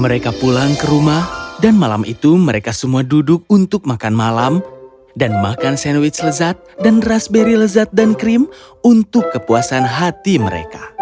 mereka pulang ke rumah dan malam itu mereka semua duduk untuk makan malam dan makan sandwich lezat dan raspberry lezat dan krim untuk kepuasan hati mereka